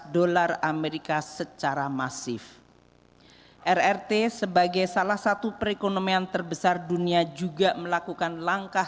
dolar amerika secara masif rrt sebagai salah satu perekonomian terbesar dunia juga melakukan langkah